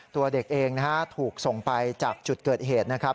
ตัวเด็กเองนะฮะถูกส่งไปจากจุดเกิดเหตุนะครับ